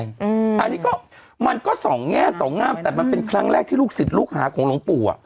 อันนี้ก็มันก็สองแง่สองงามแต่มันเป็นครั้งแรกที่ลูกศิษย์ลูกหาของหลวงปู่